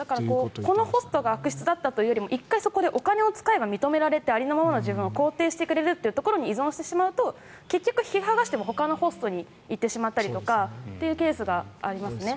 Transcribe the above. このホストが悪質だったというよりは１回そこでお金を使えば認められて、ありのままの自分を肯定してくれるところに依存してしまうと結局、引き剥がしてもほかのホストに行ってしまうケースがありますね。